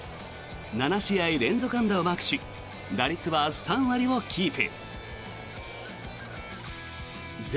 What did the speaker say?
７試合連続安打をマークし打率は３割をキープ。